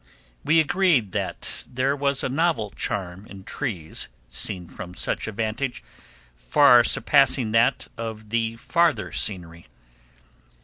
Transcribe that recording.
We agreed that there was a novel charm in trees seen from such a vantage, far surpassing that of the farther scenery.